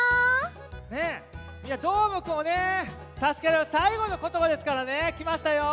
みんなどーもくんをたすけるさいごのことばですからねきましたよ。